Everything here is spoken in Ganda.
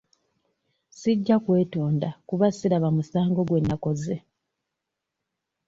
Sijja kwetonda kuba siraba musango gwe nnakoze.